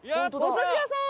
お寿司屋さん！